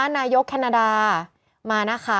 นายกแคนาดามานะคะ